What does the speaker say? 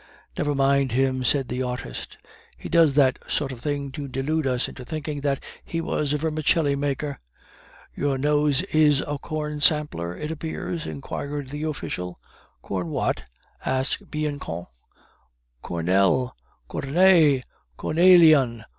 "Never mind him," said the artist; "he does that sort of thing to delude us into thinking that he was a vermicelli maker." "Your nose is a corn sampler, it appears?" inquired the official. "Corn what?" asked Bianchon. "Corn el." "Corn et." "Corn elian."